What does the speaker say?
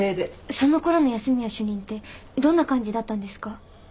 その頃の安洛主任ってどんな感じだったんですか？